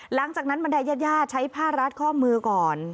หลังจากนั้นบันไดญาติใช้ผ้ารัดข้อมือก่อน